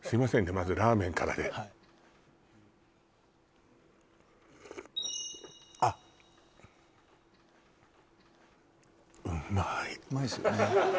まずラーメンからであっうまいですよね